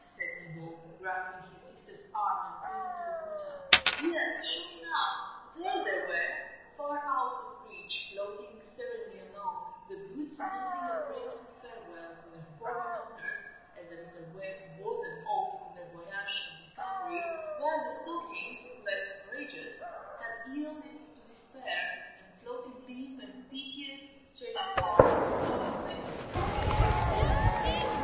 said Nibble, grasping his sister's arm, and pointing to the water. Yes, sure enough, there they were. Far out of reach, floating serenely along, the boots nodding a graceful farewell to their former owners as the little waves bore them off on their voyage of discovery, while the stockings, less courageous, had yielded to despair, and floated limp and piteous, stretching out their scarlet length in a vain appeal for rescue.